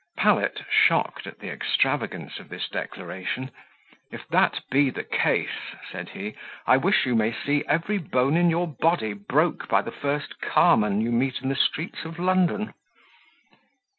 Pallet, shocked at the extravagance of this declaration, "If that be the case," said he, "I wish you may see every bone in your body broke by the first carman you meet in the streets of London."